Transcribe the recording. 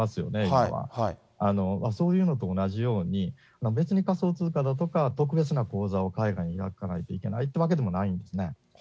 今は、そういうのと同じように、別に仮想通貨だとか、特別な口座を海外に持たないといけないというわけでもないんです